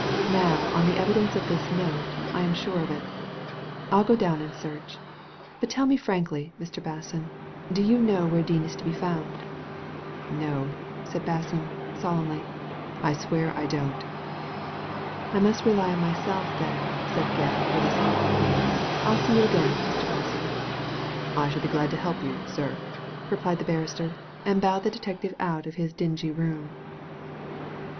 Now, on the evidence of this note, I am sure of it Til go down and search. But tell me frankly, Mr. Basson, do you know where Dean is to be found ?"" No," said Basson, solemnly, I swear I don't." " I must rely on myself, then," said Gebb, with a sigh. " I'll see you again, Mr. Basson." •*I shall be glad to help you, sir," replied the barrister, and bowed the detective out of his dingy room.